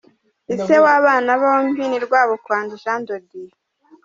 Ise w’aba bana bombi ni Rwabukwandi Jean de Dieu.